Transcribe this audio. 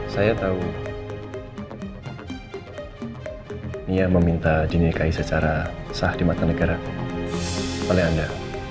saya tahu dia meminta dinikahi secara sah di mata negara oleh anda